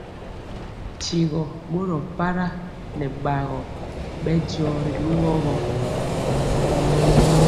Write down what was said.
Tyigɔ boro para nɛ bagɔ bɛ diɔ ri lugɔ gɔ.